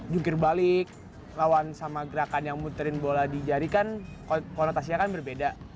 jungkir balik lawan sama gerakan yang muterin bola di jari kan konotasinya kan berbeda